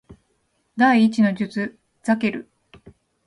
第一の術ザケル